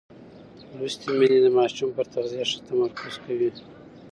لوستې میندې د ماشوم پر تغذیه ښه تمرکز کوي.